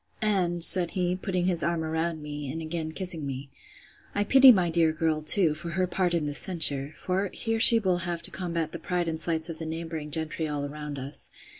And, said he, putting his arm round me, and again kissing me, I pity my dear girl too, for her part in this censure; for, here will she have to combat the pride and slights of the neighbouring gentry all around us.